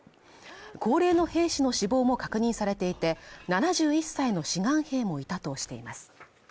高齢の兵士の死亡も確認されていて、７１歳の志願兵もいたとしています。